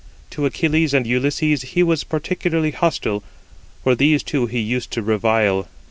To Achilles and Ulysses he was particularly hostile, for these two he used to revile.